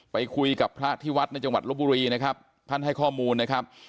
ไปคุยกับพระที่วัดในจังหวัดลบบุรีนะครับท่านให้ข้อมูลนะครับ